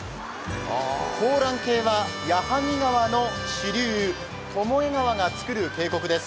香嵐渓は矢作川の支流、巴川がつくる渓谷です。